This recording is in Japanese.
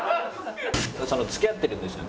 付き合ってるんですよね？